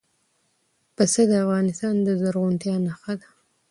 پسه د افغانستان د زرغونتیا نښه ده.